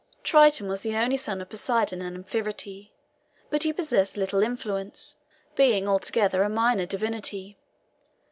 Triton was the only son of Poseidon and Amphitrite, but he possessed little influence, being altogether a minor divinity.